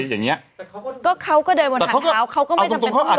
เขาก็เดินบนฝั่งท้าว